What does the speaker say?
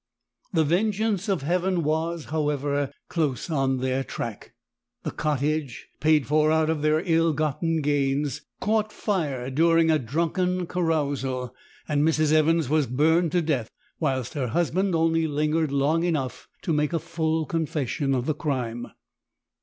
"The vengeance of Heaven was, however, close on their track; the cottage, paid for out of their ill gotten gains, caught fire during a drunken carousal, and Mrs. Evans was burned to death, whilst her husband only lingered long enough to make a full confession of the crime.